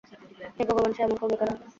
হে ভগবান - সে এমন করবে কেন?